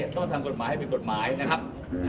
ชอบทำกฎหมายให้ผิดกฎหมายนะครับ